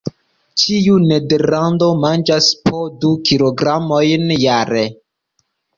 Ĉiu nederlandano manĝas po du kilogramojn jare.